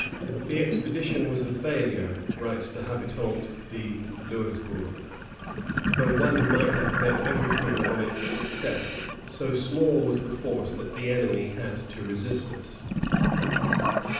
"The expedition was a failure," writes the Habitant de Louisbourg," though one might have bet everything on its success, so small was the force that the enemy had to resist us."